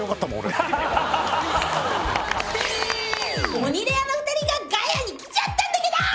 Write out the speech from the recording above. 鬼レアな２人が『ガヤ』に来ちゃったんだけど！